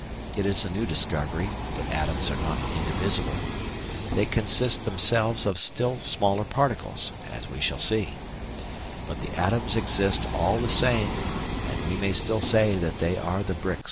It is a new discovery that atoms are not indivisible. They consist themselves of still smaller particles, as we shall see. But the atoms exist all the same, and we may still say that they are the bricks of which the material universe is built.